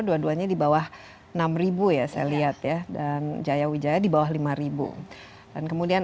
dua duanya di bawah enam ribu ya saya lihat ya dan jaya wijaya di bawah lima ribu dan kemudian